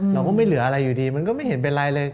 เราก็ไม่เหลืออะไรอยู่ดีมันก็ไม่เห็นเป็นไรเลย